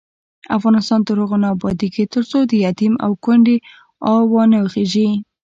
افغانستان تر هغو نه ابادیږي، ترڅو د یتیم او کونډې آه وانه خیژي.